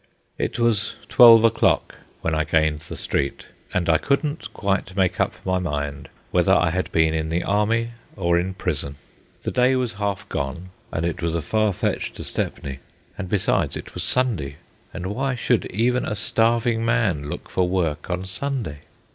It was twelve o'clock when I gained the street, and I couldn't quite make up my mind whether I had been in the army or in prison. The day was half gone, and it was a far fetch to Stepney. And besides, it was Sunday, and why should even a starving man look for work on Sunday?